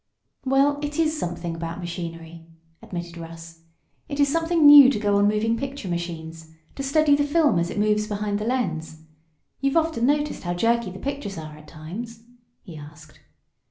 "Well, it is something about machinery," admitted Russ. "It is something new to go on moving picture machines, to steady the film as it moves behind the lens. You've often noticed how jerky the pictures are at times?" he asked.